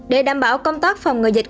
để đảm bảo công tác phòng người dịch